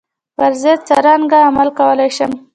پر ضد څرنګه عمل کولای شم.